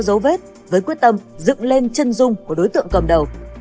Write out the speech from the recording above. có dấu vết với quyết tâm dựng lên chân rung của đối tượng cầm đầu